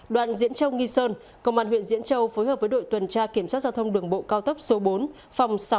đoạn diễn châu nghi sơn công an huyện diễn châu phối hợp với đội tuần tra kiểm soát giao thông đường bộ cao tốc số bốn phòng sáu